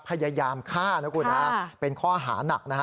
พยายามฆ่านะคุณฮะเป็นข้อหานักนะฮะ